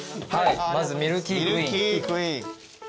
まずミルキークイーン。